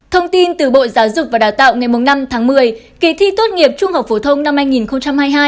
thông tin từ bộ giáo dục và đào tạo ngày năm tháng một mươi kỳ thi tốt nghiệp trung học phổ thông năm hai nghìn hai mươi hai